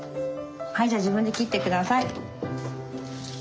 はいじゃあ自分で切って下さい。